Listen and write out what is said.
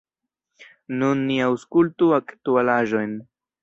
Nun ni aŭskultu aktualaĵojn.